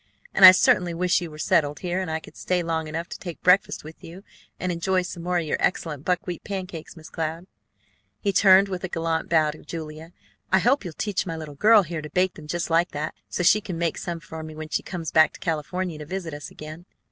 And I certainly wish you were settled here, and I could stay long enough to take breakfast with you and enjoy some more of your excellent buckwheat cakes, Miss Cloud." He turned with a gallant bow to Julia. "I hope you'll teach my little girl here to bake them just like that, so she can make me some when she comes back to California to visit us again."